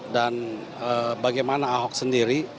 dan bagaimana ahok sendiri